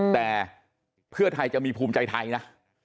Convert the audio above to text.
แต่เพื่อไทยจะมีภูมิใจไทยนะ